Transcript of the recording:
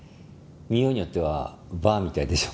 見ようによってはバーみたいでしょ？